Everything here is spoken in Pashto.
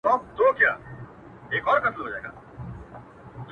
د خوار د ژوند كيسه ماتـه كړه.